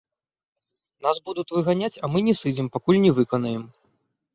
Нас будуць выганяць, а мы не сыдзем пакуль не выканаем!